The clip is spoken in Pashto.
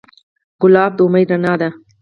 ګلاب د امید رڼا ده.